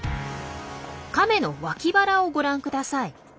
カメの脇腹をご覧ください。